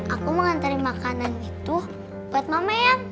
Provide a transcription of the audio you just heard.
aku mau nganterin makanan gitu buat mama ya